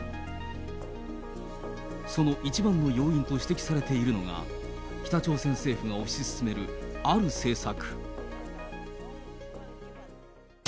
その一番の要因と指摘されているのが、北朝鮮政府が推し進めるある政策。